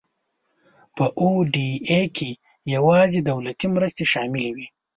په او ډي آی کې یوازې دولتي مرستې شاملې وي.